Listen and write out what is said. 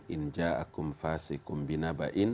injaakum fasiikum binaba'in